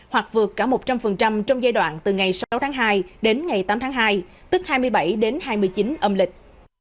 hoặc vượt cả một trăm linh trong giai đoạn từ ngày sáu tháng hai đến ngày tám tháng hai tức hai mươi bảy đến hai mươi chín âm lịch